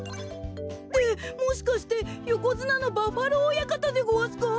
えっもしかしてよこづなのバッファロー親方でごわすか！？